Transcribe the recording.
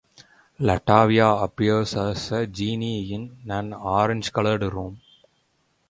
LaTavia appears as a genie in an orange-colored room.